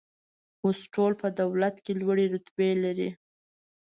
اوس ټول په دولت کې لوړې رتبې لري